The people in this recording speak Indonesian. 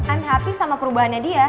un happy sama perubahannya dia